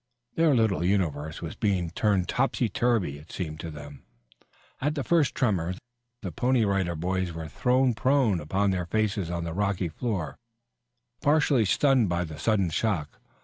Their little universe was being turned topsy turvy, it seemed to them. At the first tremor, the Pony Rider Boys were thrown prone upon their faces on the rocky floor, partially stunned by the sudden shock.